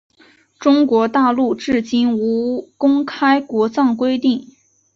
中国大陆至今无公开国葬规定。